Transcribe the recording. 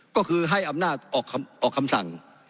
ก็คือให้อำนาจออกคำสั่ง